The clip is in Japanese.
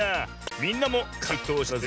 みんなもかいとうしゃだぜ。